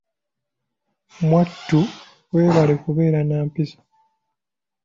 Mwattu weebale kubeera na mpisa.